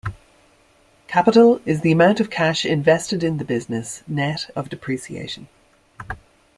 Capital is the amount of cash invested in the business, net of depreciation.